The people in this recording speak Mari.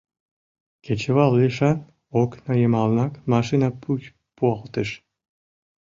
Кечывал лишан окна йымалнак машина пуч пуалтыш.